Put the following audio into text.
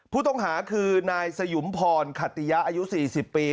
ผู้ต้องหาคือนายสยุมพรขติยะอายุ๔๐ปี